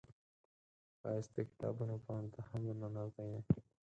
ښایست د کتابونو پاڼو ته هم ورننوتی دی